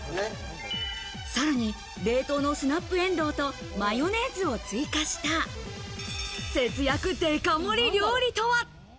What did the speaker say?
さらに冷凍のスナップえんどうとマヨネーズを追加した、節約デカ盛り料理とは？